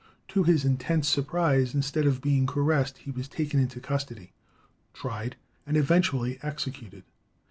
To his intense surprise, "instead of being caressed he was taken into custody," tried, and eventually executed.